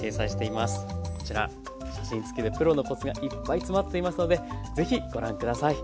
こちら写真付きでプロのコツがいっぱい詰まっていますので是非ご覧下さい。